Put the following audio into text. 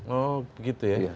oh begitu ya